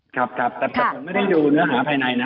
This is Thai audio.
ครับครับแต่ผมไม่ได้ดูเนื้อหาภายในนะ